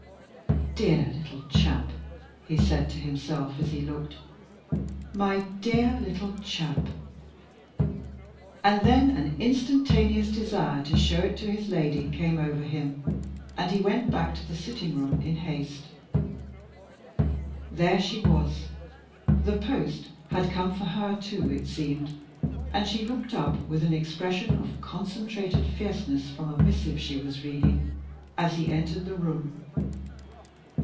"Dear little chap," he said to himself as he looked. "My dear little chap." And then an instantaneous desire to show it to his lady came over him, and he went back to the sitting room in haste. There she was the post had come for her too, it seemed, and she looked up with an expression of concentrated fierceness from a missive she was reading as he entered the room.